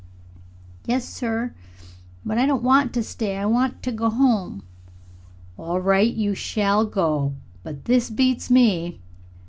"Yes, sir. But I don't want to stay I want to go home." "All right, you shall go. But this beats me!"